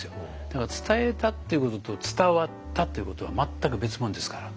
だから伝えたっていうことと伝わったっていうことは全く別物ですから。